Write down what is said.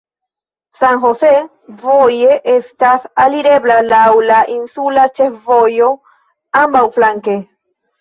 San Jose voje estas alirebla laŭ la insula ĉefvojo ambaŭflanke.